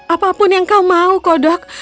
apapun yang kau mau kodok